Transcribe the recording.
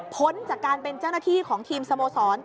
พ้นจากการเป็นเจ้าหน้าที่ของทีมสโมสร